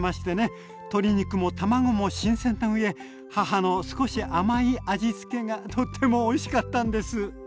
鶏肉も卵も新鮮な上母の少し甘い味付けがとってもおいしかったんです。